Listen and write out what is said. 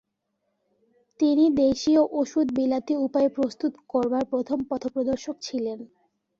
তিনি দেশীয় ওষুধ বিলাতি উপায়ে প্রস্তুত করবার প্রথম পথপ্রদর্শক ছিলেন।